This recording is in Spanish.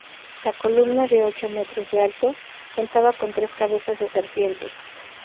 La columna, de ocho metros de alto, contaba con tres cabezas de serpientes.